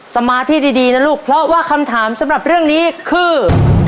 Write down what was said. สมาธิดีนะลูกเพราะว่าคำถามสำหรับเรื่องนี้คือ